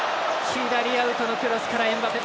左アウトのクロスからエムバペ。